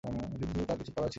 কিন্তু তার কিছু করার ছিলনা।